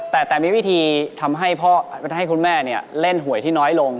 แต่มีวิธีทำให้พ่อและทำให้คุณแม่เนี่ยเล่นหวยที่น้อยลง